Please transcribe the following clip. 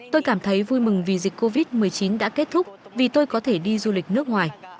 tôi cảm thấy vui mừng vì dịch covid một mươi chín đã kết thúc vì tôi có thể đi du lịch nước ngoài